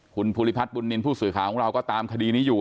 คุณภูริพัฒน์บุญนินทร์ผู้สื่อข่าวของเราก็ตามคดีนี้อยู่